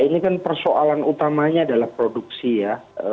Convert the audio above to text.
ini kan persoalan utamanya adalah produksi ya